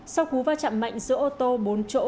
sau cú va chạm mạnh giữa ô tô bốn chỗ